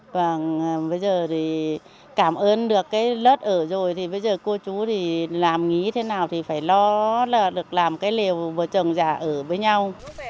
và bây giờ thì cảm ơn được cái đất ở rồi thì bây giờ cô chú thì làm nghĩ thế nào thì phải lo là được làm cái liều vợ chồng già ở với nhau